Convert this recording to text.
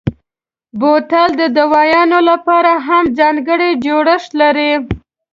بوتل د دوایانو لپاره هم ځانګړی جوړښت لري.